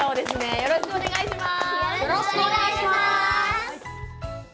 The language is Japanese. よろしくお願いします。